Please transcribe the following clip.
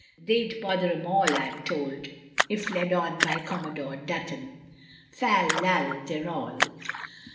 They'd bother em all I am told, If led on by Commodore Dutton. Fal lal de ral.